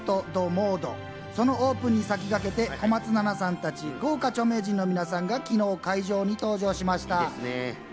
そのオープンに先駆けて小松菜奈さんたち豪華著名人の皆さんが昨日、会場に登場しました。